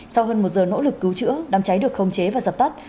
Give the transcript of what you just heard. sau hơn một giờ nỗ lực cứu chữa đám cháy được khống chế và dập tắt